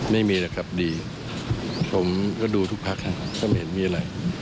ไม่มีหรอกครับดีผมก็ดูทุกพักก็ไม่เห็นมีอะไร